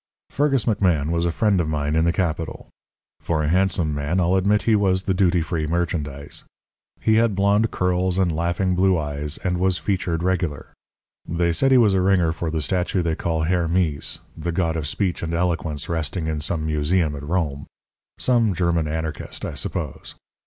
"Fergus McMahan was a friend of mine in the capital. For a handsome man I'll admit he was the duty free merchandise. He had blond curls and laughing blue eyes and was featured regular. They said he was a ringer for the statue they call Herr Mees, the god of speech and eloquence resting in some museum at Rome. Some German anarchist, I suppose.